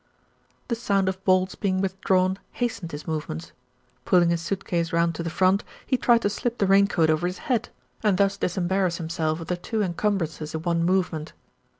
The sound of bolts being withdrawn hastened his movements. Pulling his suit case round to the front, he tried to slip the rain coat over his head, and thus 28 THE RETURN OF ALFRED disembarrass himself of the two encumbrances in one movement.